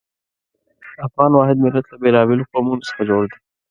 افغان واحد ملت له بېلابېلو قومونو څخه جوړ دی.